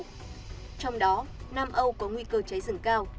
trong đó nam âu có nguy cơ cháy rừng cao